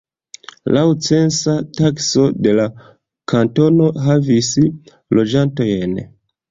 Laŭ censa takso de la kantono havis loĝantojn.